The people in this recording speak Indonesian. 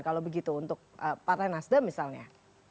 kalau begitu untuk partai nasdem misalnya